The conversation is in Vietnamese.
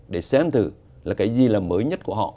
để xem thử là cái gì là mới nhất của họ